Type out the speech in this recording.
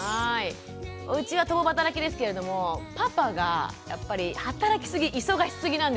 うちは共働きですけれどもパパがやっぱり働きすぎ忙しすぎなんですよ。